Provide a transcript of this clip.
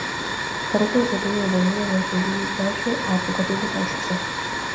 Parroquia do concello de Nogueira de Ramuín baixo a advocación de san Xosé.